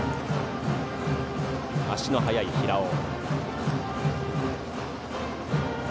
足の速い平尾。